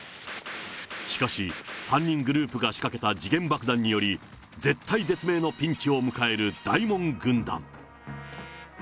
しかし、犯人グループが仕掛けた時限爆弾により、絶体絶命のピンチを迎える大門軍団。